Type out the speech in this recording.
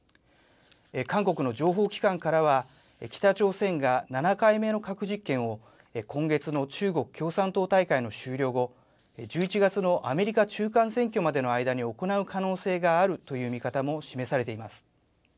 韓国の情報機関からは北朝鮮が７回目の核実験を、今月の中国の共産党大会の終了後、１１月のアメリカ中間選挙までの間に行う可能性があるという見方も示されています。